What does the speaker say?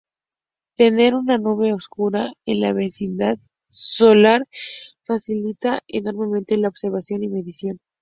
Tener una nube oscura en la vecindad solar facilita enormemente la observación y medición.